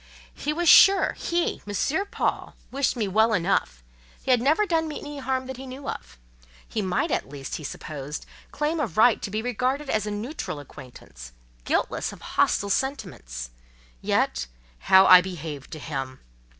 He was sure, he—M. Paul—wished me well enough; he had never done me any harm that he knew of; he might, at least, he supposed, claim a right to be regarded as a neutral acquaintance, guiltless of hostile sentiments: yet, how I behaved to him!